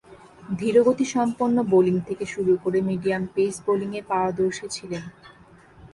ধীরগতিসম্পন্ন bowling থেকে শুরু করে মিডিয়াম-পেস বোলিংয়ে পারদর্শী ছিলেন।